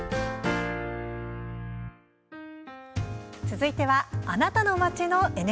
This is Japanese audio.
続いては「あなたの街のＮＨＫ」。